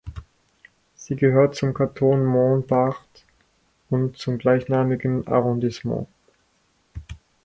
Sie gehört zum Kanton Montbard und zum gleichnamigen Arrondissement.